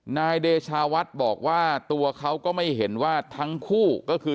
นายเดชาวัดบอกว่าตัวเขาก็ไม่เห็นว่าทั้งคู่ก็คือ